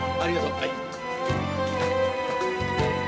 はい。